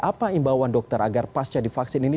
apa imbauan dokter agar pasca divaksin ini